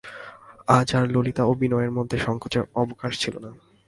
আজ আর ললিতা ও বিনয়ের মধ্যে সংকোচের অবকাশ ছিল না।